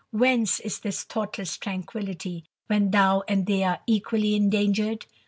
Whence is this thoughtless " tranquillity, when thou and they are equally endangered ?